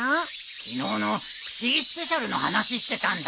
昨日の『不思議スペシャル』の話してたんだ。